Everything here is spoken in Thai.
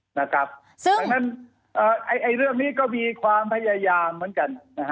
ดังนั้นเรื่องนี้ก็มีความพยายามเหมือนกัน